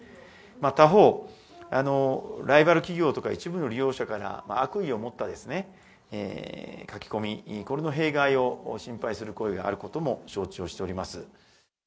他方、ライバル企業とか一部の利用者から、悪意を持った書き込み、これの弊害を心配する声があることも招致をしております。